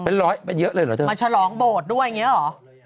มาฉลองโบสถ์ด้วยอย่างนี้หรอ